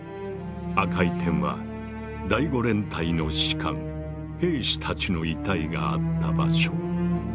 赤い点は第５連隊の士官・兵士たちの遺体があった場所。